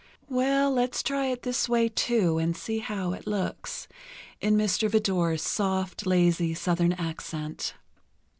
"Well, let's try it this way, too, and see how it looks," in Mr. Vidor's soft, lazy Southern accent.